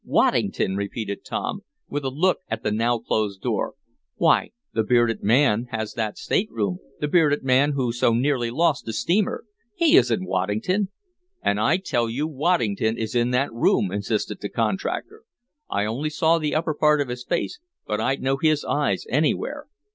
"Waddington!" repeated Tom, with a look at the now closed door. "Why, the bearded man has that stateroom the bearded man who so nearly lost the steamer. He isn't Waddington!" "And I tell you Waddington is in that room!" insisted the contractor. "I only saw the upper part of his face, but I'd know his eyes anywhere.